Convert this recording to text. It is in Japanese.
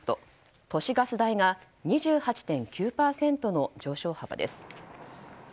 都市ガス代が２８．９％の上昇幅です。